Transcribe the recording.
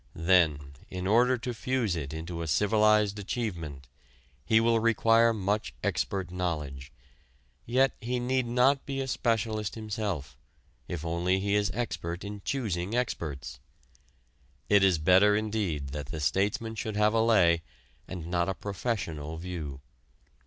Then, in order to fuse it into a civilized achievement, he will require much expert knowledge. Yet he need not be a specialist himself, if only he is expert in choosing experts. It is better indeed that the statesman should have a lay, and not a professional view.